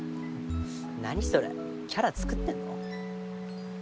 何それキャラ作ってんの？